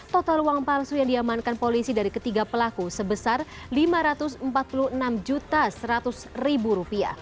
total uang palsu yang diamankan polisi dari ketiga pelaku sebesar rp lima ratus empat puluh enam seratus